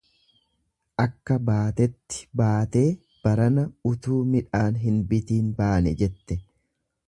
Akka baatetti baatee barana utuu midhaan hin bitiin baane jette.